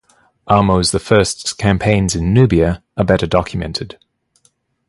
Ahmose the First's campaigns in Nubia are better documented.